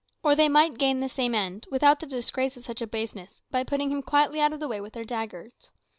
Or they might gain the same end, without the disgrace of such a baseness, by putting him quietly out of the way with their daggers.